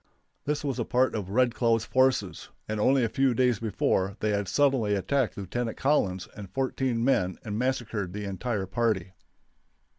This was a part of Red Cloud's forces, and only a few days before they had suddenly attacked Lieutenant Collins and fourteen men and massacred the entire party.